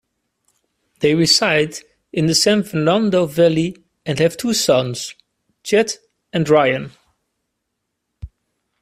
They reside in the San Fernando Valley and have two sons, Chad and Ryan.